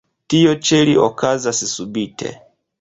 Tio ĉe li okazas subite.